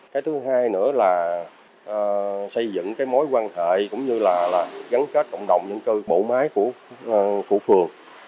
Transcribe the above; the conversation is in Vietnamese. cái thứ hai nữa là xây dựng cái mối quan hệ cũng như là gắn kết cộng đồng những cơ bộ máy của phường